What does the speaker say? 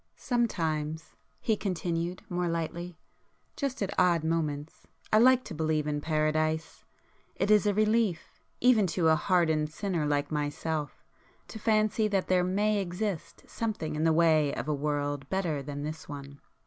"Sometimes," he continued more lightly—"just at odd moments—I like to believe in Paradise. It is a relief, even to a hardened sinner like myself, to fancy that there may exist something in the way of a world better than this one."